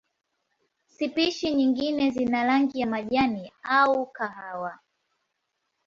Spishi nyingine zina rangi ya majani au kahawa.